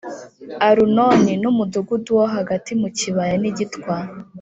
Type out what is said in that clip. Arunoni n umudugudu wo hagati mu kibaya n igitwa